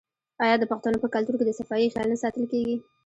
آیا د پښتنو په کلتور کې د صفايي خیال نه ساتل کیږي؟